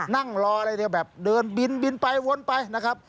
นั่งรออะไรเนี่ยแบบเดินบินบินไปวนไปนะครับ